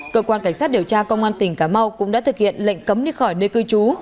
cơ quan cảnh sát điều tra công an tỉnh cà mau cũng đã thực hiện lệnh cấm đi khỏi nơi cư trú